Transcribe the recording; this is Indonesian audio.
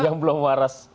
yang belum waras